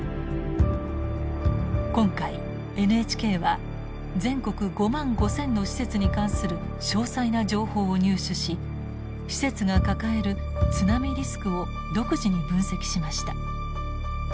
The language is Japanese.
今回ＮＨＫは全国５万５，０００の施設に関する詳細な情報を入手し施設が抱える津波リスクを独自に分析しました。